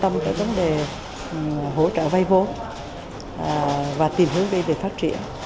tôi cũng rất quan tâm tới vấn đề hỗ trợ vai vốn và tìm hướng về phát triển